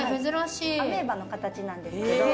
アメーバの形なんですけど。